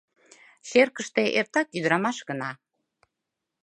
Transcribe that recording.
Черкыште эртак ӱдырамаш гына...